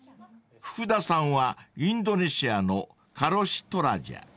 ［福田さんはインドネシアのカロシ・トラジャ］